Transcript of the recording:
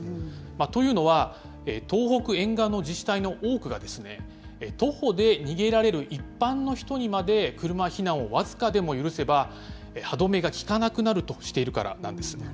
というのは、東北沿岸の自治体の多くが、徒歩で逃げられる一般の人にまで、車避難を僅かでも許せば、歯止めが利かなくなるとしているからなんです。